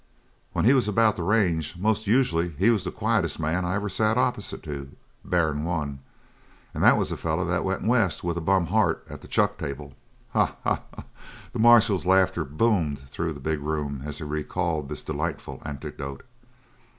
When he was about the range most usually he was the quietest man I ever sat opposite to barrin' one and that was a feller that went west with a bum heart at the chuck table! Ha, ha, ha!" The marshal's laughter boomed through the big room as he recalled this delightful anecdote.